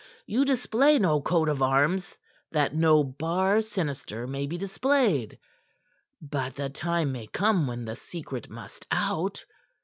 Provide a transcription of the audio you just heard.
You display no coat of arms that no bar sinister may be displayed. But the time may come when the secret must out.